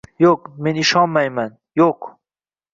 Yo‘q, men ishonmayman, yo‘q».